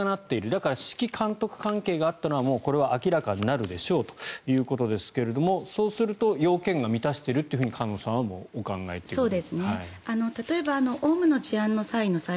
だから指揮監督関係があったのは明らかになるでしょうということですがそうすると要件は満たしていると菅野さんはお考えと。